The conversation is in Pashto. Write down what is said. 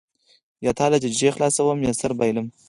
یا تا له ججې څخه خلاصوم یا سر بایلم.